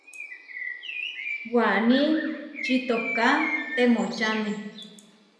Waní čitoká temočáme.